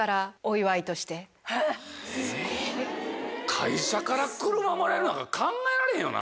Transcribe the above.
会社から車もらえるなんか考えられへんよな？